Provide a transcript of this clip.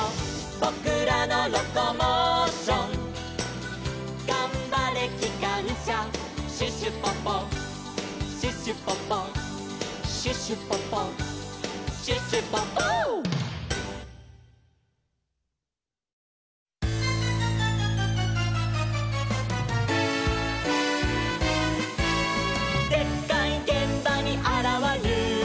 「ぼくらのロコモーション」「がんばれきかんしゃ」「シュシュポポシュシュポポ」「シュシュポポシュシュポポ」「でっかいげんばにあらわる！」